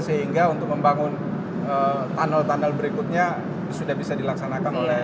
sehingga untuk membangun tunnel tunnel berikutnya sudah bisa dilaksanakan oleh